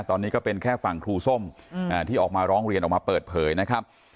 ตอนนี้ก็เป็นแค่ฝั่งครูส้มที่ออกมาร้องเรียนออกมาเปิดเผยนะครับ